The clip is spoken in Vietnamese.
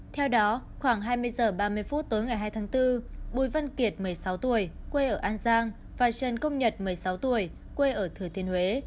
theo đó khoảng hai mươi h ba mươi phút tối ngày hai tháng bốn bùi văn kiệt một mươi sáu tuổi quê ở an giang và trần công nhật một mươi sáu tuổi quê ở thừa thiên huế